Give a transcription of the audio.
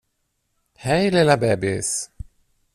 Hej, lilla bebis!